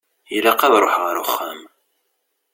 Ilaq ad ṛuḥeɣ ar uxxam.